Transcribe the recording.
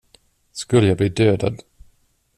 Skulle jag bli dödad.